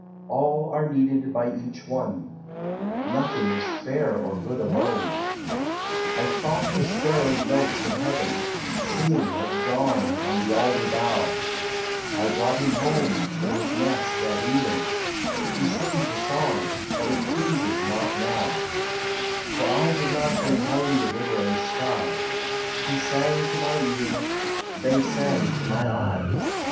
All are needed by each one ; Nothing is fair or good alone. I thought the sparrow's note from heaven, Singing at dawn on the alder bough ; T brought him home, in his nest, at even; He sings the song, but it pleases not now, For I did not bring home the river and sky ; He sang to my ear,— they sang to my eye.